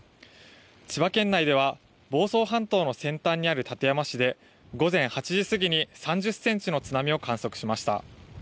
千葉県内では房総半島の先端にある館山市で午前８時過ぎに３０センチの津波を観測しました。